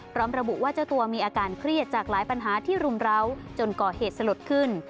พร้อมระบุว่าเจ้าตัวมีอาการเครียดจากหลายปัญหาที่รุมร้าวจนก่อเหตุสลดขึ้น